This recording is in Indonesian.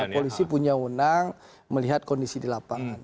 polisi punya wenang melihat kondisi di lapangan